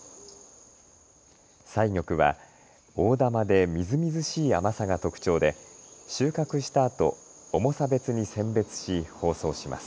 彩玉は大玉でみずみずしい甘さが特長で収穫したあと重さ別に選別し包装します。